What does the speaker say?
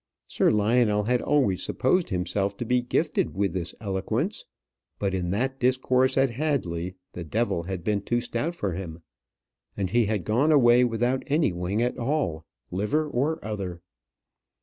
Sir Lionel had always supposed himself to be gifted with this eloquence; but in that discourse at Hadley, the devil had been too stout for him, and he had gone away without any wing at all liver or other.